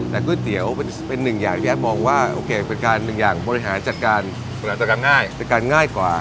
แต่ก๋วยเตี๋ยวเป็นหนึ่งอย่างพี่แอดมองว่าเป็นหนึ่งอย่างบริหารจัดการง่ายกว่า